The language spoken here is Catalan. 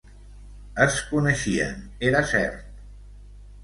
Es coneixien, era cert!